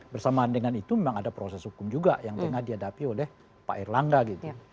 bersamaan dengan itu memang ada proses hukum juga yang tengah dihadapi oleh pak erlangga gitu